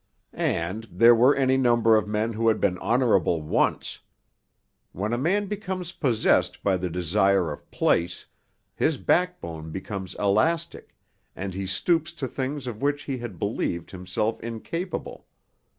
And there were any number of men who had been honorable once. When a man becomes possessed by the desire of place, his backbone becomes elastic, and he stoops to things of which he had believed himself incapable.